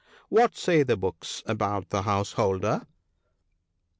What say the books about the householder